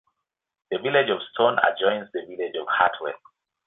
The village of Stone adjoins the village of Hartwell.